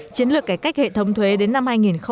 chiến lược cải cách hệ thống thuế đến năm hai nghìn hai mươi